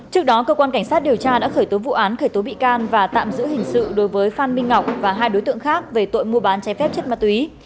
trước đó cơ quan cảnh sát điều tra đã khởi tố vụ án khởi tố bị can và tạm giữ hình sự đối với phan minh ngọc và hai đối tượng khác về tội mua bán trái phép chất ma túy